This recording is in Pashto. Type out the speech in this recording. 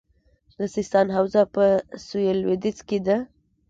د سیستان حوزه په سویل لویدیځ کې ده